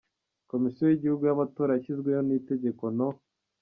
Komisiyo y’Igihugu y’Amatora yashyizweho n’itegeko No.